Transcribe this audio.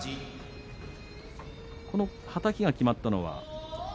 この、はたきが決まったのは。